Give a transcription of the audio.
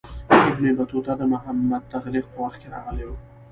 ابن بطوطه د محمد تغلق په وخت کې راغلی و.